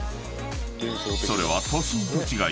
［それは都心と違い